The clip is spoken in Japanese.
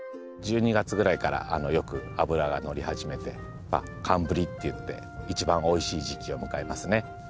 １２月くらいからよく脂がのり始めて寒ブリっていって一番おいしい時期を迎えますね